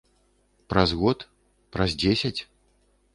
Праз год, праз дзесяць?